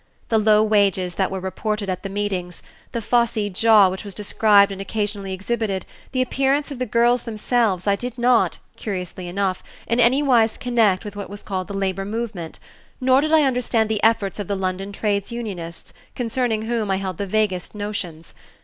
The low wages that were reported at the meetings, the phossy jaw which was described and occasionally exhibited, the appearance of the girls themselves I did not, curiously enough, in any wise connect with what was called the labor movement, nor did I understand the efforts of the London trades unionists, concerning whom I held the vaguest notions.